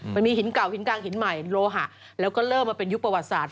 มันมีหินเก่าหินกลางหินใหม่โลหะแล้วก็เริ่มมาเป็นยุคประวัติศาสต